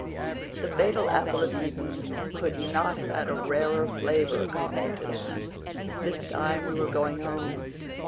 "The fatal apple of Eden couldn't have had a rarer flavor," commented Anne. "But it's time we were going home.